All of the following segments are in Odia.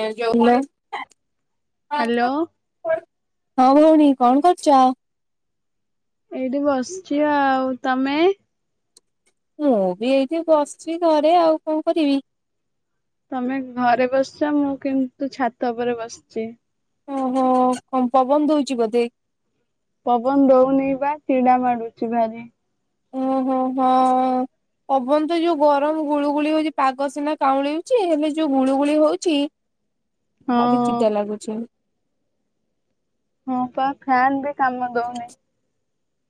ଏ ଯୋଉ [inaudible] ହ୍ୟାଲୋ ହଁ ଭଉଣୀ କଣ କରୁଚ? ଏଇଠି ବସିଛି ଆଉ, ତମେ? ମୁଁ ବି ଏଇଠି ବସିଛି ଘରେ ଆଉ କଣ କରିବି। ତମେ ଘରେ ବସିଛ ମୁଁ କିନ୍ତୁ ଛାତ ଉପରେ ବସିଚି। ଓହୋ କଣ ପବନ ଦୋଉଚି ବୋଧେ? ପବନ ଦଉନି ବା ଚିଡା ମାଡୁଚି ଭାରି। ଓହୋ ହଁ ପବନ ତ ଯୋଉ ଗରମ ଗୁଳୁ ଗୁଳି ହଉଚି ପାଗ ସିନା କାଉଁଳେଉଚି ହେଲେ ଯୋଉ ଗୁଳୁ ଗୁଳି ହଉଚି। ହଁ ଭାରି ଚିଡା ଲାଗୁଚି। ହଁ ପା ଫ୍ୟାନ୍ ବି କାମ ଦଉନି।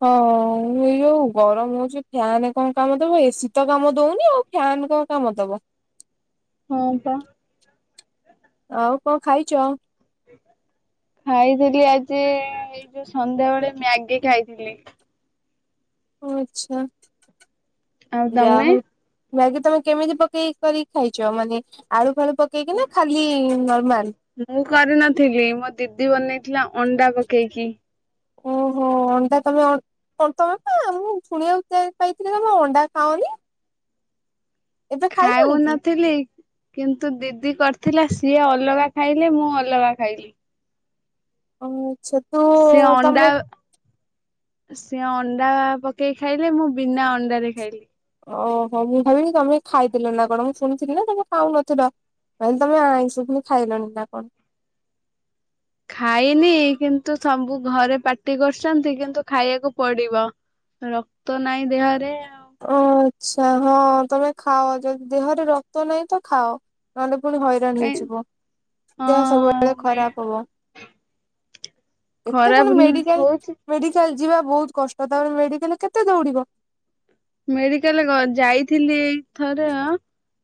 ହଁ ଏଇ ଯୋଉ ଗରମ ହଉଚି, ଫ୍ୟାନ କଣ କାମ ଦବ ଏସିି ତ କାମ ଦଉନି ଆଉ। ଫ୍ୟାନ କଣ କାମ ଦବ। ହଁ ପା। ଆଉ କଣ ଖାଇଚ? ଖାଇଥିଲି ଆଜି ଏଇ ଯୋଉ ସନ୍ଧ୍ୟାବେଳେ ମ୍ୟାଗି ଖାଇଥିଲି। ଓ ଆଚ୍ଛା ଆଉ ଯା ତମେ? ହଉ ମ୍ୟାଗି ତମେ କେମିତି ପକେଇକି କରିିକି ଖାଇଚ ମାନେ ଆଳୁ ଫାଳୁ ପକେଇକି ନା ଖାଲି ନର୍ମାଲ? ମୁଁ କରିନଥିଲି ମୋ ଦିଦି ବନେଇଥିଲା ଅଣ୍ଡା ପକେଇକି। ଓହୋ ଅଣ୍ଡା ତମେ ଅ ସତ କଥା ମୁଁ ଶୁଣିବାକୁ ପାଇଥିଲି ତମେ ଅଣ୍ଡା ଖାଅନି। ଏବେ ଖାଉ ଖାଇଲଣି କି? ନଥିଲି। କିନ୍ତୁ ଦିଦି କରିଥିଲା ସିଏ ଅଲଗା ଖାଇଲେ ମୁଁ ଅଲଗା ଖାଇଲି। ଅ ମୁଁ ଚ୍ଛା ସେ ଅଣ୍ଡା ସିଏ ଅଣ୍ଡା ପକେଇ ଖାଇଲେ ମୁଁ ବିନା ଅଣ୍ଡାରେ ଖାଇଲି। ଓହୋ ମୁଁ ଭାବିଲି ତମେ ଖାଇଦେଲଣି ନା କଣ ମୁଁ ଶୁଣିଥିଲ ନା ତମେ ଖାଉନଥିଲ। ମାଇଁ ତମେ ଆଇଁସ ଖାଇଲନି ନା କଣ? ଖାଇନି କିନ୍ତୁ ସବୁ ଘରେ ପାର୍ଟି କରୁଛନ୍ତି କିନ୍ତୁ ଖାଇବାକୁ ପଡିବ। ରକ୍ତ ନାହିଁ ଦେହରେ ଅ ଓ ଆଚ୍ଛା ହଁ ତମେ ଖାଅ ଯଦି ଦେହରେ ରକ୍ତ ନାହିଁ ତ ଖାଅ। ନହେଲେ ପୁଣି ହଇରାଣ କାଇଁ ହେଇଯିବ ଦେହ ସବୁବେଳେ ହଁ କାଳେ ମେ ଖରାପ ହବ ଏତେ ପୁଣି ଖରାପ ନୁ ମେଡିକାଲ ହଉଛି ମେଡିକାଲ ଯିବା ବହୁତ କଷ୍ଟ ତାପରେ ମେଡିକାଲ କେତେ ଦୌଡିବ। ମେଡିକାଲ ଗ ଯାଇଥିଲି ଏଥର।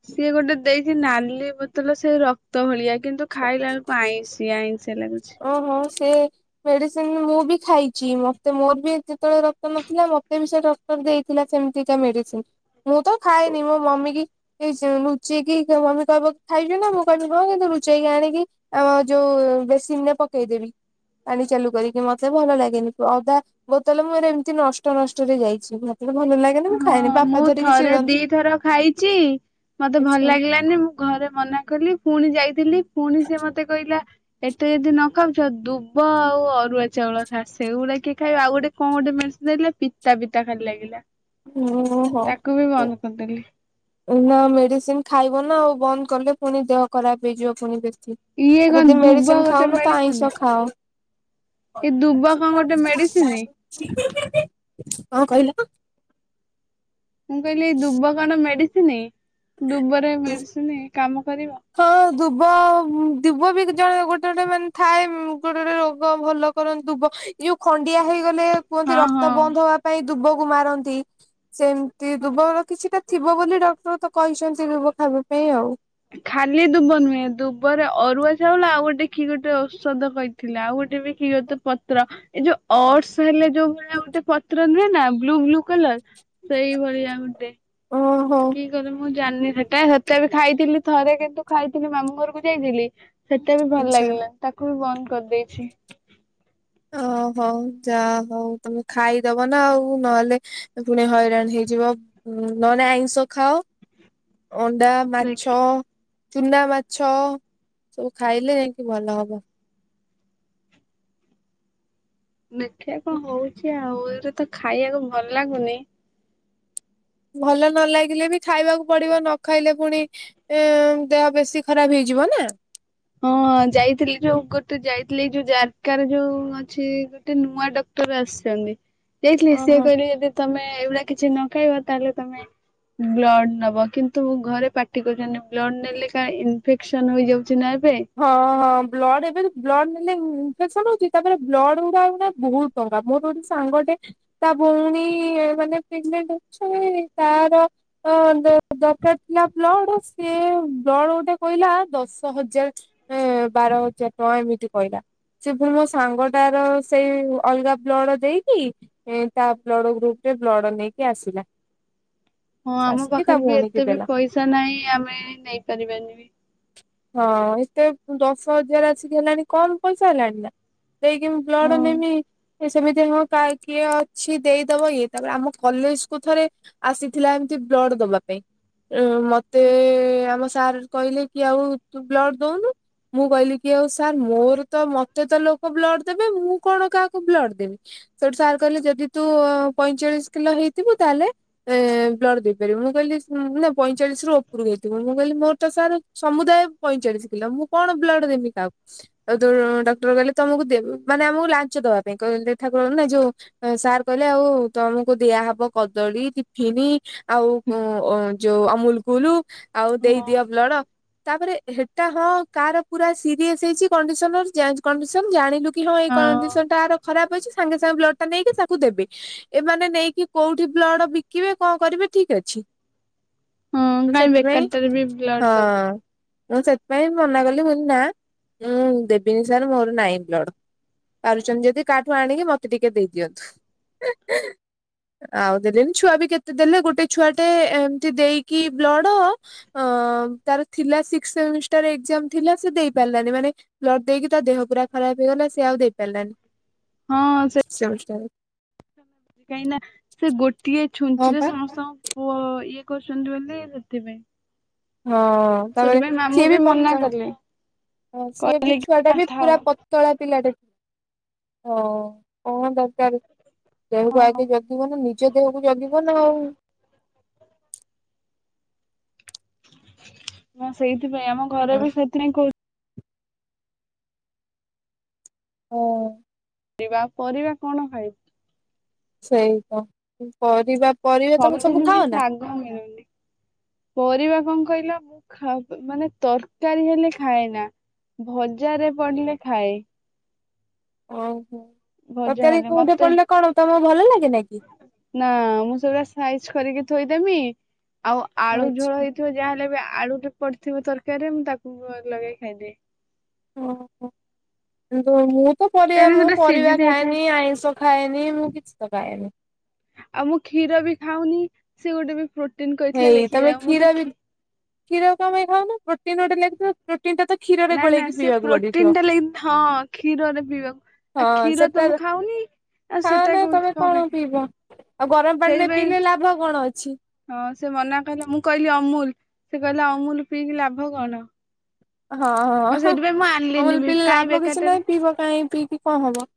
ସିଏ ଗୋଟେ ଦେଇଛି ନାଲି ବୋତଲ ସେ ରକ୍ତ ଭଳିଆ କିନ୍ତୁ ଖାଇଲାବେଳକୁ ଆଇଁଷିଆ ଆଇଁଷିଆ ଲାଗୁଛି। ଓହୋ ସିଏ ମେଡିସିନ ମୁଁ ବି ଖାଇଛି ମତେ ମୋର ବି ଯେତେବେଳେ ରକ୍ତ ନଥିଲା ମତେ ବି ସେ ଡ ଟର ଦେଇଥିଲା ସେମିତିକା ମେଡିସିନ ମୁଁ ତ ଖାଏନି ମୋ ମମି କି ଏଇ ଲୁଚେଇକି ମମି କହିବ ଖାଇଲୁ ନା ମୁଁ କଣିବି ହଁ କିନ୍ତୁ ଲୁଚେଇକି ଆଣିକି ଆ ଯୋଉ ବେସିନରେ ପକେଇଦେବି ପାଣି ଚାଲୁ କରିକି ମତେ ଭଲ ଲାଗେନି ଅଦା ବୋତଲ ମୋର ଏମିତି ନଷ୍ଟ ଭଷ୍ଟରେ ଯାଇଛି ଭାଗ୍ୟ ଭଲ ନାହିଁ। ହଁ ମୁଁ ଥରେ ଦିଥର ଖାଇଛି ମତେ ଭଲ ଆଛା ଲାଗିଲାନି ମୁଁ ଘରେ ମନା କଲି ପୁଣି ଯାଇଥିଲି ପୁଣି ସେ ମତେ କହିଲା ଏତେ ଯଦି ନ ଖାଉଛ ଦୁବ ଆଉ ଅରୁଆ ଚାଉଳ ଖା ସେଇଗୁଡା କିଏ ଖାଇ ଆଉ ଗୋଟେ କଣ ଗୋଟେ ମେଡିସିନ ଦେଲେ। ପିତା ପିତା ଖାଲି ଲାଗିଲା। ହୁଁ। ତାକୁ ବି ହଉ ବନ୍ଦ କରିଦେଲି। [unintelligible] ମେଡିସିନ ଖାଇବ ନା ଆଉ ବନ୍ଦ କଲେ ପୁଣି ଦେହ ଖରାପ ହେଇଯିବ ପୁଣି ବେଶୀ। ଇଏ କଣ ଯଦି ଦୁବ ମେଡିସିନ ଗୋଟେ ଖାଉନ ତ ଆଇଁଷ ଖାଓ। ସେଇ ଦୁବ କଣ ଗୋଟେ ମେଡିସିନ? [unintelligible] କଣ କହିଲ? ମୁଁ କହିଲି ଦୁବ କଣ ମେଡିସିନ ଦୁବରେ ମେଡିସିନ କାମ କରିବ? ହଁ ଦୁବ ଦୁବ ବି ଜଣେ ଗୋଟେ ଗୋଟେ ମାନେ ଥାଏ ଗୋଟେ ଗୋଟେ ରୋଗ ଭଲ କରନ୍ତି ଦୁବ ଏଇ ଯୋଉ ଖଣ୍ଡିଆ ହେଇଗଲେ କୁହନ୍ତି ହଁ ରକ୍ତ ହଁ। ବନ୍ଦ ହବା ପାଇଁ ଦୁବକୁ ମାରନ୍ତି। ସେମିତି ଦୁବ କିଛିଟା ଥିବ ବୋଲି ଡକ୍ଟର ତ କହିଛନ୍ତି ଦୁବ ଖାଇବା ପାଇଁ ଆଉ। ଖାଲି ଦୁବ ନୁହେଁ ଦୁବରେ ଅରୁଆ ଚାଉଳ ଆଉ ଗୋଟେ କି ଗୋଟେ ଔଷଧ କହିଥିଲା ଆଉ ଗୋଟେ ବି କି ଗୋଟେ ପତ୍ର ଏଇ ଯୋଉ ଅଟସ ହେଲେ ଯୋଉ ଭଳିଆ ଗୋଟେ ପତ୍ର ନୁହେଁ ନା ବ୍ଲୁ ବ୍ଲୁ କଲର? ସେଇ ଭଳିଆ ଗୋଟେ ଓହୋ। କି କଲି ମୁଁ ଜାଣିନି ସେଟା ସେତେବେଳେ ବି ଖାଇଥିଲି ଥରେ କିନ୍ତୁ ଖାଇଥିଲି ମାମୁଁ ଘରକୁ ଯାଇଥିଲି। ସେଟା ବି ଭଲ ଆଚ୍ଛା ଲାଗିଲାନି ତାକୁ ବି ବନ୍ଦ କରିଦେଇଛି। ଓହୋ, ଯା ହଉ ତମେ ଖାଇଦବ ନା ଆଉ ନହେଲେ ପୁଣି ହଇରାଣ ହେଇଯିବ ନହନେ ଆଇଁଷ ଖାଅ ଅଣ୍ଡା ମାଛ, ଦେଖ ଚୁନା ମାଛ, ସବୁ ଖାଇଲେ ଯାଇକି ଭଲ ହବ। ଦେଖିଆ କଣ ହଉଚି ଆଉ, ଏଇଗୁରା ତ ଖାଇଆକୁ ଭଲ ଲାଗୁନି ଭଲ ନ ଲାଗିଲେ ବି ଖାଇବାକୁ ପଡିବ ନ ଖାଇଲେ ପୁଣି ଏ ଦେହ ବେଶୀ ଖରାପ ହେଇଯିବ ନା। ହଁ ଯାଇଥିଲି ଯୋଉ ଗୋଟେ ଯାଇଥିଲି ଯୋଉ ଜାରକା ରେ ଯୋଉ ଅଛି ଗୋଟେ ନୂଆ ଡ ଡ଼କ୍ଟର ଆସିଚନ୍ତି। ଯାଇଥିଲି ଓହୋ ସିଏ କହିଲେ ଯଦି ତମେ ଏଇଭଳିଆ କିଛି ନ ଖାଇବ ତାହେଲେ ତମେ ବ୍ଲଡ ନବ କିନ୍ତୁ ଘରେ ପାଟି କରୁଚନ୍ତି ବ୍ଲଡ଼ ନେଲେ କାଳେ ଇନଫେକ୍ସନ ହୋଇଯାଉଚି ନା ଏ ବେ। ହଁ। ହଁ, ବ୍ଲଡ଼ ଏବେ ବ୍ଲଡ ନେଲେ ଇନଫେକ୍ସନ ହଉଚି ତାପରେ ବ୍ଲଡ ଗୁଡା ଏଇନା ବହୁତ୍ ଟଙ୍କା ମୋର ଗୋଟେ ସାଙ୍ଗେ ଟେ ତା ଭଉଣୀ ମାନେ ପ୍ରେଗନେଣ୍ଟ ଅଛି ତାର ତ ଦରକାର ଥିଲା ବ୍ଲଡ ସେ ବ୍ଲଡ ଗୋଟେ କହିଲା ଦଶ ହଜାର ସେ ବାର ହଜାର ଟଙ୍କା ଏମିତି କହିଲା। ସେ ପୁଣି ମୋ ସାଙ୍ଗଟାର ସେଇ ଅଲଗା ବ୍ଲଡ ଦେଇକି ତା ବ୍ଲଡ ଗ୍ରୁପ ରେ ବ୍ଲଡ ନେଇକି ଆସିଲା। ହଁ ଆମ ଆସିକି ତା ପାଖରେ ବି ଭଉଣୀକି ଏତେ ଦେଲା। ବି ପଇସା ନାହିଁ ଆମେ ନେଇ ପାରିବାନି ବି। ହଁ ଏତେ ଦଶ ହଜାର ଆସିକି ହେଲାଣି କମ୍ ପଇସା ହେଲାଣି ନା। ଦେଇକି ମୁଁ ହଁ। ବ୍ଲଡ଼ ନେମି ସେମିତି ହଁ କିଏ ଅଛି ଦେଇଦବ ଇଏ, ତାପରେ ଆମ କଲେଜ କୁ ଥରେ ଆସିଥିଲା ଏମିତି ବ୍ଲଡ ଦବା ପାଇଁ ମତେ ହୁଁ ଆମ ସାର୍ କହିଲେ କି ଆଉ ତୁ ବ୍ଲଡ଼ ଦଉନୁ ମୁଁ କହିଲି କି ଆଉ ସାର୍ ମୋର ତ ମତେ ତ ଲୋକ ବ୍ଲଡ ଦେବେ ମୁଁ କଣ କାହାକୁ ବ୍ଲଡ ଦେବି ସେଇଠୁ ସାର୍ କହିଲେ ଯଦି ତୁ ପଇଁଚାଳିଶି କିଲୋ ହେଇଥିବୁ ତାହେଲେ ଏ ବ୍ଲଡ଼ ଦେଇପାରିବୁ। ମୁଁ କହିଲି ନା ପଇଁଚାଳିଶି ରୁ ଓପୁରୁକୁ ହେଇଥିବ ମୁଁ କହିଲି ମୋର ତ ସାର୍ ସମୁଦାୟ ପଇଁଚାଳିଶି କିଲୋ ମୁଁ କଣ ବ୍ଲଡ଼ ଦେମି କାହାକୁ। ଆଉ ଡକ୍ଟର କହିଲେ ତମୁକୁ ଦେ ମାନେ ଆମୁକୁ ଲାଞ୍ଚ ଦବା ପାଇଁ କ ଦେଖା କର ନା ଯୋଉ ସାର୍ କହିଲେ ଆଉ ତମୁକୁ ଦିଆହବ କଦଳୀ, ଟିଫିନି ଆଉ ଯୋଉ ଅମୁଲ କୁଲୁ ଆଉ ହଁ ଦେଇଦିଅ ବ୍ଲଡ଼ ତାପରେ ହେଟା ହଁ କାର ପୁରା ସିରିୟସ ହେଇଚି କଣ୍ଡିସନ ଅଛି ଚେଞ୍ଜ କଣ୍ଡିସନ ଜାଣିଲୁ କି ହଁ ଏଇ କଣ୍ଡିସନ ଟା ଆର ଖରାପ ଅଛି ସାଙ୍ଗେ ସାଙ୍ଗେ ବ୍ଲଡ ଟା ନେଇକି ତାକୁ ଦେବେ ଏମାନେ ନେଇକି କୋଉଠି ବ୍ଲଡ ବିକିବେ କଣ କରିବେ ଠିକି ଅଛି ହଁ ମୁଁ କାହିଁ ସେଥିପାଇଁ, ବେକାରଟାରେ ବି ବ୍ଲଡ ଦବୁ ହଁ। ମୁଁ ସେଥିପାଇଁ ମନା କଲି ମୁଁ କହିଲି ନା ମୁଁ ଦେବିନି ସାର୍ ମୋର ନାଇ ବ୍ଲଡ। ପାରୁଚନ୍ତି ଯଦି କାହାଠୁ ଆଣିକି ମତେ ଟିକେ ଦେଇଦିଅନ୍ତୁ। ଆଉ ଦେଲେନି ଛୁଆ ବି କେତେ ଦେଲେ। ଗୋଟେ ଛୁଆଟେ ଏମିତି ଦେଇକି ବ୍ଲଡ଼ ହଁ, ତାର ଥିଲା ସିକ୍ସ ସେମିଷ୍ଟାର ଏକ୍ସାମ୍ ଥିଲା ସେ ଦେଇ ପାରିଲାନି ମାନେ ବ୍ଲଡ ଦେଇକି ତା ଦେହ ପୁରା ଖରାପ ହେଇଗଲା ସେ ଆଉ ଦେଇପାରିଲାନି। ହଁ ସେ କାହିଁକି ନା ସେ ଗୋଟିଏ ହଁ ଛୁଞ୍ଚି ରେ ପା। ସମସ୍ତଙ୍କ ପୁଅ ଇଏ କରୁଚନ୍ତି ବୋଲି ସେଥିପାଇଁ। ହଁ, ତାପରେ ସେଥିପାଇଁ ମାମୁଁ ସିଏ ବି ମନା ପଚା, କଲେ ହଁ ସିଏ ବି କହିଲେ ଛୁଆ ଟା କି ବି ଥାଉ ପୁରା ପ ପତଳା ପିଲାଟେ। ହଁ, କଣ ଦରକାର ଦେହକୁ ଆଗେ ଯଗି ଜୀବନ ନିଜ ଦେହକୁ ଜଗିବ ନା ଆଉ। ହଁ ସେଇଥିପାଇଁ, ଆମ ଘରେ ହଁ ବି ସେଥିପାଇଁ କହୁ ହଁ। [unintelligible] ପରିବା କଣ ଖାଇବି? ସେଇ ତ ପରିବା ପରିବା ତମେ ସବୁ ସବୁଦିନ ବି ଖାଅ ନା? ଶାଗ ମିଳୁନି। ପରିବା କଣ କହିଲ ଖା ମାନେ ତରକାରୀ ହେଲେ ଖାଏ ନା। ଭଜାରେ ପଡିଲେ ଖାଏ। ଓହୋ ଭଜା ତରକାରୀ ହେଲେ କୋଉଠି ମତେ ପଡିଲେ କଣ ତମକୁ ଭଲ ଲାଗେ ନିକି? ନା ମୁଁ ସେଗୁଡା ସାଇଜ କରିକି ଥୋଇଦେମି ଆଉ ଆଳୁ ଝୋଳ ଆଚ୍ଛା। ହେଇଥିବ ଯାହାହେଲେ ବି ଆଳୁଟେ ପଡିଥିବ ତରକାରୀରେ ମୁଁ ତାକୁ ଭ ଲଗେଇ ଖାଇଦିଏ। ଓହୋ କିନ୍ତୁ ମୁଁ ତ ପରିବା ମୁଁ କାହିଁକିନା ସେଟା ସିଝି ପରିବା ଯାଇଥାଏ ଖାଏନି ଆଇଁଷ ଖାାଏନି ମୁଁ କିିଛି ତ ଖାଏନି। ଆଉ ମୁଁ କ୍ଷୀର ବି ଖାଉନି ସେ ଗୋଟେ ବି ପ୍ରୋଟିନ କହିଥିଲା ହେଇ ଲେଖି ତମେ ଯାାଉ ମୁଁ ତ କ୍ଷୀର ବି କ୍ଷୀ କ୍ଷୀର କମ ପାଇଁ ଖାଉନ ପ୍ରୋଟିନ ଗୋଟେ ଲେଖିଥିବ ପ୍ରୋ ପ୍ରୋଟିନ ଟା ତ କ୍ଷୀର। ନାଇଁ ନା ସେ ପ୍ରୋଟିନ ଟା ଲେଗ ହଁ କ୍ଷୀରରେ ପିଇବାକୁ। ଆ କ୍ଷୀର ତ ମୁଁ ଖାଉନି। ଆଉ ଖାଅ ସେଟା ନା କହୁଛି ତମେ କଣ ପାଇଁ ଖାଇବି ପିଇବ ଆଉ ଗରମ ପାଣିରେ ସେଇଥିପାଇଁ ପିଇଲେ ଲାଭ କଣ ଅଛି। ହଁ ସେ ମନା କହିଲା ମୁଁ କହିଲି ଅମୁଲ ସେ କହିଲା ଅମୁଲ ପିଇକି ଲାଭ କଣ। ହଁ ଆଉ ହଁ ସେଥିପାଇଁ ମୁଁ ଆଣିଲିନି ଅମୁଲ ବି ପିଇଲେ କାଇଁ ଲାଭ କିଛି ବେକାରଟାରେ ନାହିଁ ପିଇବ କାହିଁ ପିଇକି କଣ ହବ।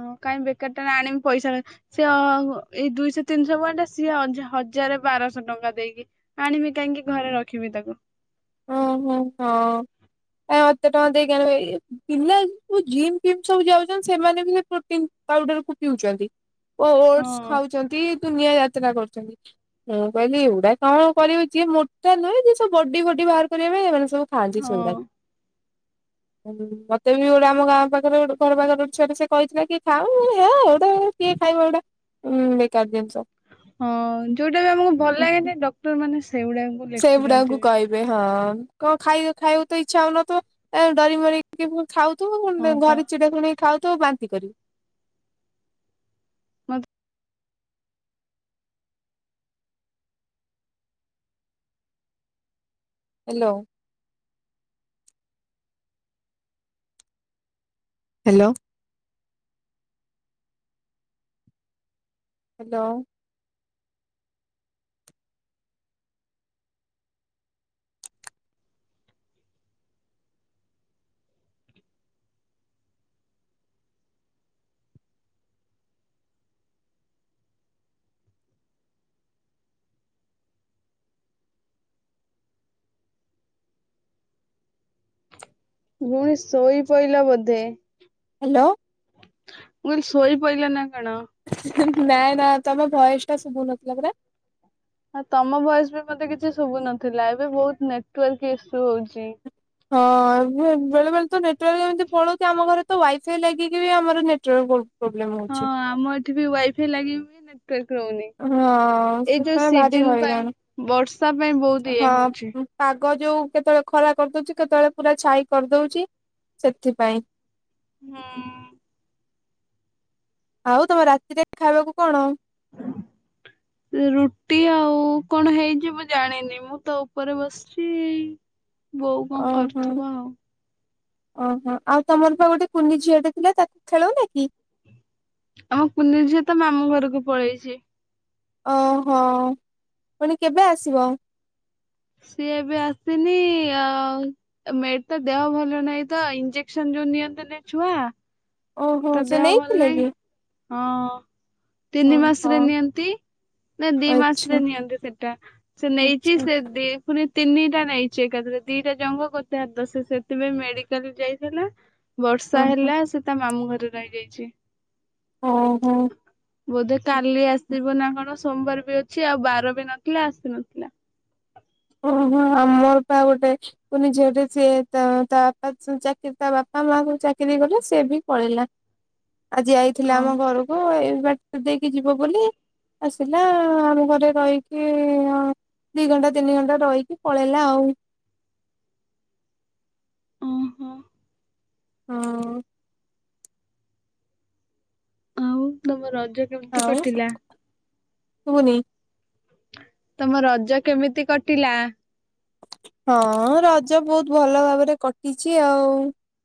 ହଁ କାଇଁ ବେକାର ଟା ଆଣିବି ପଇସା ସିଏ ଅ ଏଇ ଦୁଇଶହ ତିନିଶହ ୱାଟେ ସିଏ ହଜାର ବାରଶହ ଟଙ୍କା ଦେଇକି ଆଣିବି କାହିଁକି ଘରେ ରଖିବି ତାକୁ। ଓହୋ ହଁ କାଇ ଏତେ ଟଙ୍କା ଦେଇକିଆଣିଲି। ପିଲାଏ ଯୋଉ ଜିମ୍ ଫିମ୍ ସବୁ ଯାଉଛନ୍ତି ସେମାନେ ବି ସେ ପ୍ରୋଟିନ ପାଉଡର କୁ ପିଉଛନ୍ତି। ଓ ଓଡସ ହଁ ଖାଉଛନ୍ତି ଦୁନିଆ ଜାତ ତ୍ରା କରୁଛନ୍ତି ମୁଁ କହିଲି ଏଗୁଡା କଣ କରିବି ଯିଏ ମୋଟା ନୁହେଁ ଯିଏ ସବ ବଡି ପ୍ ବଡ଼ି ବାହାର କରିବା ପାଇଁ ଏମାନେ ସବୁ ଖାଆନ୍ତି ହଁ ସେଗୁଡାକୁ। ହଁ ମତେ ବି ଗୋଟେ ଆମ ଗାଁ ପାଖରେ ଗୋଟେ ଘର ପାଖରେ ଛୁଆଟେ ସେ କହିଥିଲା କି ଖାଉ ଏ ଗୋଟେ କିଏ ଖାଇବା ଏ ଗୋଟା ଉଁ ବେକାର ଜିନିଷ। ହଁ ଯୋଉଟା ବି ଆମକୁ ଭଲ ଲାଗେନି ଡକ୍ଟର ମାନେ ସେଇଗୁଡା ସେଗୁଡାଙ୍କୁ କହିବେ ହଁ କଣ ଖାଇ ଖାଇବ ତ ଇଚ୍ଛା ହଉନଥୁବ ଏ ଡରି ମରିକି ପୁ ଖାଉଥୁବୁ ହଁ ପୁଣି ପା। ଘରେ ଚିଡା ଶୁଣିକି ଖାଉଥୁବୁ ବାନ୍ତି କରିବୁ। ମତ। ହ୍ୟାଲୋ। ହ୍ୟାଲୋ। ହ୍ୟାଲୋ। ପୁଣି ଶୋଇ ପଇଲ ବୋଧେ। ହ୍ୟାଲୋ। ମୁଁ କାହିଲି ଶୋଇ ପାଇଲ ନା କଣ? ନା ନା ତମ ଭଏସ ଟା ଶୁଭୁନଥିଲା ପରା। ହଁ ତମ ଭୟସ ବି ମତେ କିଛି ଶୁଭୁନଥିଲା ଏବେ ବହୁତ ନେଟୱାର୍କ ଇସ୍ୟୁ ହଉଛି। ହଁ ଏ ବେ ବେଳେ ବେଳେ ତ ନେଟୱାର୍କ ଏମିତି ପଳଉଛି ଆମ ଘରେ ତ ୱାଇ ଫଫାଇ ଲାଗିକି ବି ଆମର ନେଟୱାର୍କ ପ ହଁ ଆମ ଏଠି ବି ୱାଇ ଫାଇ ଲାଗି ବି ନେଟୱାର୍କ ରହୁନି। ହଁ ଏଇ ଯୋଉ ସେଥିପାଇଁ ଭାରି ସିଜନ ପାଇଁ ହଇରାଣ ବର୍ଷା ପାଇଁ ବହୁତ ଇଏ ହଉଛି। ହଁ ପାଗ ଯୋଉ କେତେବେଳେ ଖରା କରିଦଉଛି କେତେବେଳେ ପୁରା ଛାଇ କରିଦଉଛି ସେଥିପାଇଁ। ହୁଁ ଆଉ ତମ ରାତିରେ ଖାଇବାକୁ କଣ? ରୁଟି ଆଉ କଣ ହେଇଯି ମୁଁ ଜାଣିନି। ମୁଁ ତ ଉପରେ ବସିଛି। ବୋଉ କଣ ଓହୋ। କରୁଥିବ ଆଉ ଓହୋ। ଆଉ ତମର ପା ଗୋଟେ କୁନି ଝିଅ ଟା ଥିଲା ତାକୁ ଖେଳଉନା କି? ଆମ କୁନି ଝିଅ ତା ମାମୁଁ ଘରକୁ ପଳେଇଛି। ଓହୋ। ପୁଣି କେବେ ଆସିବ? ସିଏ ଏବେ ଆସିନି ଆଉ। ମେଟ ତ ଦେହ ଭଲ ନାହିଁ ତ ଇଞ୍ଜେକ୍ସନ ଯୋଉ ନିଅନ୍ତିନି ଛୁଆ। ଓହୋ ତା ସେ ଦେହ ଭଲ ନେଇଥିଲେ ନାହିଁ। କି? ହଁ ତିନି ଓହୋ ମାସରେ ନିଅନ୍ତି। ନା ଦି ମାସରେ ଆଚ୍ଛା ନିଅନ୍ତି ସେଇଟା ସେ ନେଇଛି ଆଚ୍ଛା ସେ ଦି ପୁଣି ତିନିଟା ନେଇଛି ଏକାଥରେ ଦିଟା ଜଙ୍ଘ ଗୋତେ ହାତ। ସେ ସେଥିପାଇଁ ମେଡିକାଲ ଯାଇଥିଲା। ବର୍ଷା ଓହୋ ହେଲା। ସେ ତା ମାମୁଁ ଘରେ ରହିଯାଇଛି। ଓହୋ। ବୋଧେ କାଲି ଆସିବ ନା କଣ ସୋମବାର ବି ଅଛି ଆଉ ବାର ବି ନଥିଲା ଆସି ନଥିଲା। ଓହୋ ଆମର ପା ଗୋଟେ ପୁଣିି ଝିଅଟେ ସିଏ ତା ତା ବାପା ଚାକିରି ତା ବାପା ମାଆଙ୍କ ଚାକିରି କଲେ ସିଏ ବି ପଳେଇଲା। ଆଜି ଆଇଥିଲା ଆମ ଓହୋ ଘରକୁ ଏ ବାଟ ଦେଇକି ଯିବ ବୋଲି। ଆସିଲା ଆମ ଘରେ ରହିକି। ଦି ଘଣ୍ଟା ତିନି ଘଣ୍ଟା ରହିକି ପଳେଇଲା ଆଉ। ଓହୋ। ହଉ। ଆଉ ତମ ରଜ କେମିତି ଆଉ କଟିଲା ତୁନି ତମ ରଜ କେମିତି କଟିଲା? ହଁ ରଜ ବହୁତ ଭଲ ଭାବରେ କଟିଛି ଆଉ।